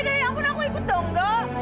edo edo ya ampun aku ikut dong do